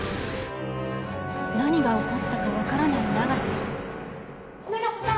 何が起こったか分からない永瀬。